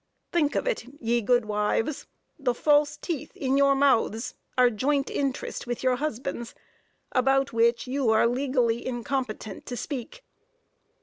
Think of it, ye good wives, the false teeth in your mouths are joint interest with your husbands, about which you are legally incompetent to speak!!